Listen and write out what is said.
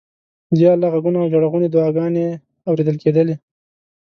د یا الله غږونه او ژړغونې دعاګانې اورېدل کېدلې.